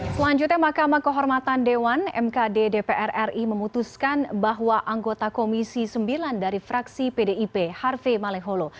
selanjutnya mahkamah kehormatan dewan mkd dpr ri memutuskan bahwa anggota komisi sembilan dari fraksi pdip harvey maleholo